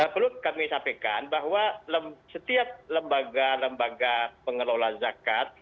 perlu kami sampaikan bahwa setiap lembaga lembaga pengelola zakat